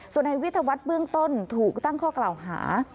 ส่วนในวิทยาวัฒน์เบื้องต้นถูกตั้งข้อกล่าวหา